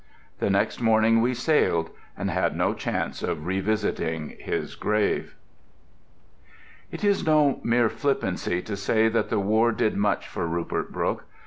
The next morning we sailed, and had no chance of revisiting his grave. It is no mere flippancy to say that the War did much for Rupert Brooke.